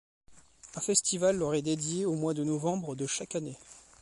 Un festival leur est dédiées au mois de novembre de chaque année.